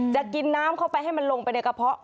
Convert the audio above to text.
จะกินน้ำเข้าไปให้มันลงไปในกระเพาะ